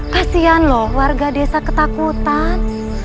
kasian loh warga desa ketakutan